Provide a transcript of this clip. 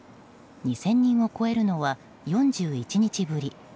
２０００人を超えるのは４１日ぶり。